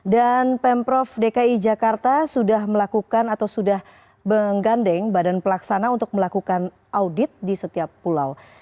dan pemprov dki jakarta sudah melakukan atau sudah menggandeng badan pelaksana untuk melakukan audit di setiap pulau